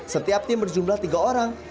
setiap tim berjumlah tiga orang